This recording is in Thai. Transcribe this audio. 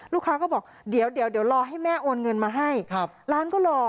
ลูกค้าก็บอกเดี๋ยวรอให้แม่โอนเงินมาให้ร้านก็รอ